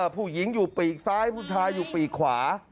ผู้หญิงอยู่ปีกซ้ายผู้ชายอยู่ปีกขวา